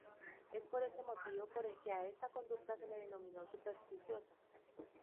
Es por este motivo por el que a esta conducta se le denominó supersticiosa.